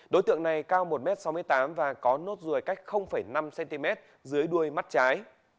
đối tượng này cao một m sáu mươi tám và có nốt ruồi cách năm cm dưới đuôi mắt trái